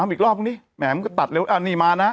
น้ำอีกรอบนี่แหมมก็ตัดอันนี้นี่มานะ